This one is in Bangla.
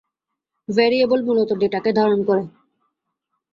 ভ্যারিয়েবল মূলত ডেটাকে ধারন করে।